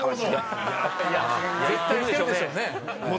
絶対してるでしょうね。